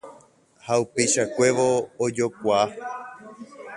Ha upeichakuévo ojokuaa.